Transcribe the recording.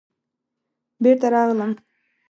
بېرته راغلم.